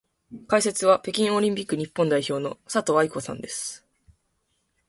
解説は北京オリンピック日本代表の佐藤愛子さんです。